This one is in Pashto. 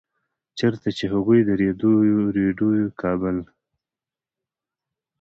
چرته چې هغوي د ريډيؤ کابل